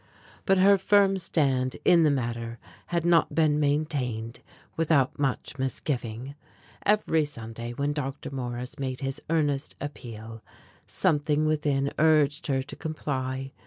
But her firm stand in the matter had not been maintained without much misgiving. Every Sunday when Dr. Morris made his earnest appeal, something within urged her to comply.